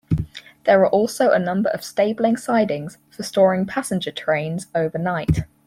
There are also a number of stabling sidings for storing passenger trains overnight.